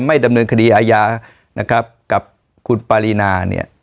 ไม่ดำเนินคดีอาญานะครับกับคุณปารีนาเนี่ย